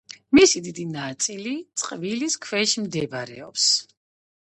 მისი დიდი ნაწილი წყლის ქვეშ მდებარეობს.